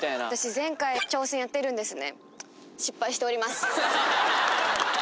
前回挑戦やってるんですね